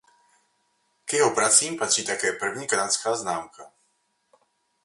K jeho pracím patří také první kanadská známka.